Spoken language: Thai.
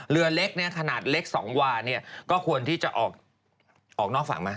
เรือเล็กขนาดเล็ก๒วาก็ควรที่จะออกนอกฝั่งมา